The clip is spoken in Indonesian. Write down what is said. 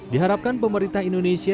diharapkan pemerintah indonesia